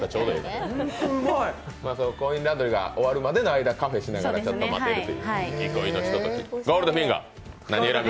コインランドリーが終わるまでの間カフェしながら待ってるという憩いのひととき。